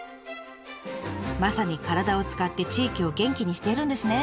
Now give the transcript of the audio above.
まさに体を使って地域を元気にしているんですね。